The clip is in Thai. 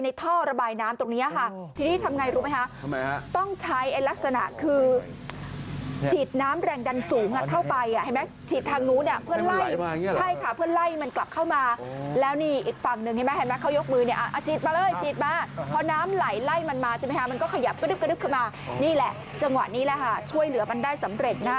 ได้ยินเสียงคนพูดหรือเปล่าไหมเออออกมาเถอะ